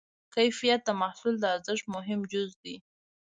کیفیت د محصول د ارزښت مهم جز دی.